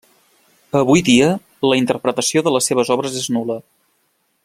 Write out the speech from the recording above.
Avui dia la interpretació de les seves obres és nul·la.